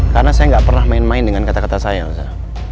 karena saya gak pernah main main dengan kata kata saya elsa